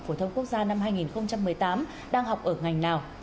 phổ thông quốc gia năm hai nghìn một mươi tám đang học ở ngành nào